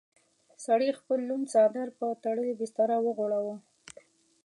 سړي خپل لوند څادر پر تړلې بستره وغوړاوه.